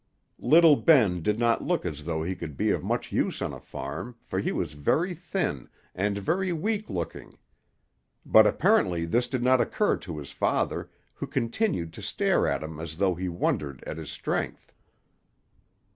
Little Ben did not look as though he could be of much use on a farm, for he was very thin, and very weak looking; but apparently this did not occur to his father, who continued to stare at him as though he wondered at his strength.